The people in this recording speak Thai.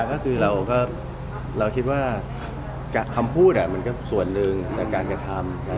ก็คือเราก็เราคิดว่าคำพูดมันก็ส่วนหนึ่งในการกระทำ